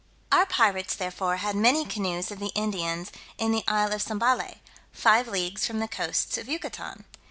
Our pirates therefore had many canoes of the Indians in the isle of Sambale, five leagues from the coasts of Jucatan.